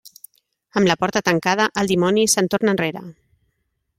Amb la porta tancada, el dimoni se'n torna arrere.